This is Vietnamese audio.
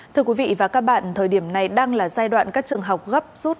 thưa quý vị và các bạn thời điểm này đang là giai đoạn các trường học gấp rút